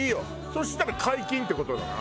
そしたら解禁って事だな？